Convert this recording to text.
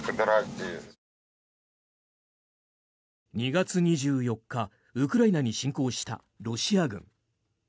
２月２４日ウクライナに侵攻したロシア軍。